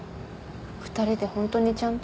２人で本当にちゃんと？